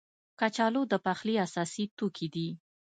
کچالو د پخلي اساسي توکي دي